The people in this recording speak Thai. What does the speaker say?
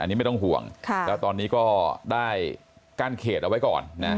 อันนี้ไม่ต้องห่วงแล้วตอนนี้ก็ได้กั้นเขตเอาไว้ก่อนนะ